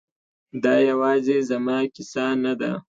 دا یوازې زما کیسه نه ده